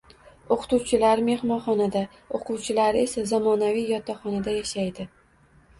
O‘qituvchilari mehmonxonada, o‘quvchilari esa zamonaviy yotoqxonada yashaydi